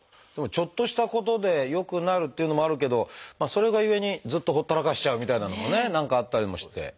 でもちょっとしたことで良くなるっていうのもあるけどそれがゆえにずっとほったらかしちゃうみたいなのもね何かあったりもして。